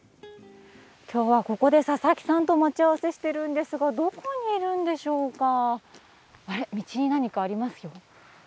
今日はここで佐々木さんと待ち合わせしているんですがどこにいるんでしょうか？